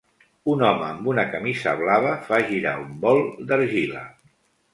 Un home amb una camisa blava fa girar un bol d'argila.